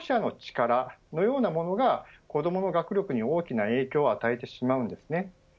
こうした保護者の力のようなものが子どもの学力に大きな影響を与えてしまうんですね。